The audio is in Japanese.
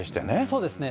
そうですね。